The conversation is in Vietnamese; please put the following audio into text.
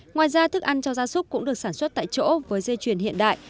ngoài ra thức ăn cho gia súc cũng được sản xuất tại chỗ với dây chuyền hiện đại